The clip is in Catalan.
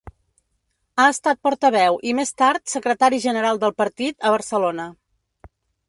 Ha estat portaveu i més tard secretari general del partit a Barcelona.